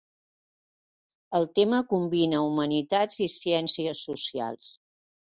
El tema combina humanitats i ciències socials.